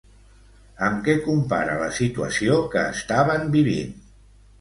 Amb què compara la situació que estaven vivint?